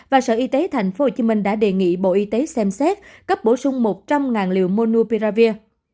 và sở y tế tp hcm đã đề nghị bộ y tế xem xét cấp bổ sung một trăm linh liều monupiravir